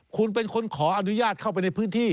คุณเป็นคนขออนุญาตเข้าไปในพื้นที่